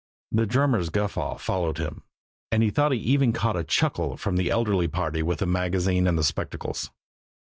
The drummer's guffaw followed him, and he thought he even caught a chuckle from the elderly party with the magazine and spectacles.